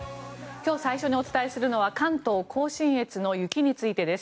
今日最初にお伝えするのは関東・甲信越の雪についてです。